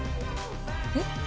えっ？